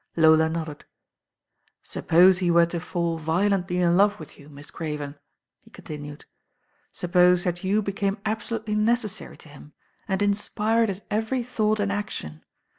Lola nodded. "Suppose he were to fall violently in love with you, Miss Craven," he continued. "Suppose that you became absolutely necessary to him, and inspired his every thought and action.